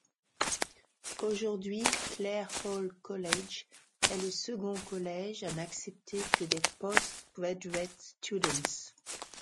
Aujourd’hui, Clare Hall College est le second collège à n’accepter que des postgraduate students.